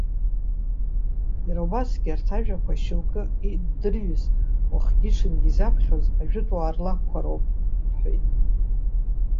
Иара убасгьы арҭ ажәақәа, шьоукы иддырҩҩыз, уахгьы-ҽынгьы изаԥхьоз, ажәытәуаа рлакәқәа роуп!- рҳәеит.